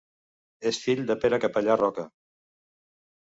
És fill de Pere Capellà Roca.